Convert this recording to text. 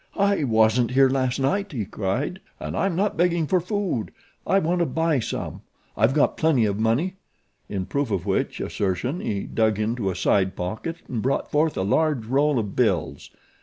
"I wasn't here last night," he cried, "and I'm not begging for food I want to buy some. I've got plenty of money," in proof of which assertion he dug into a side pocket and brought forth a large roll of bills.